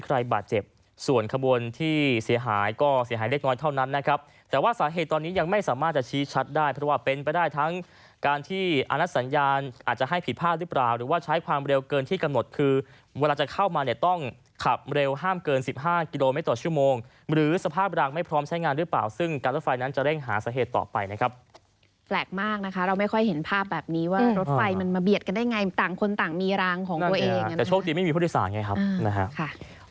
คือเวลาจะเข้ามาเนี่ยต้องขับเร็วห้ามเกินสิบห้ากิโลเมตรชั่วโมงหรือสภาพรางไม่พร้อมใช้งานหรือเปล่าซึ่งการรถไฟนั้นจะแร่งหาสาเหตุต่อไปนะครับแปลกมากนะคะเราไม่ค่อยเห็นภาพแบบนี้ว่ารถไฟมันมาเบียดกันได้ไงต่างคนต่างมีรางของตัวเองแต่โชคดีไม่มีพฤษาไงครับอ่านะฮะ